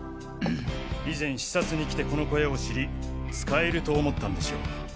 以前視察に来てこの小屋を知り使えると思ったんでしょう。